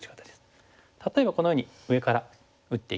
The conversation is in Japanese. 例えばこのように上から打っていきまして。